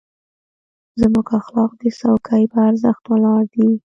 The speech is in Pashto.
زموږ اخلاق د څوکۍ په ارزښت ولاړ دي.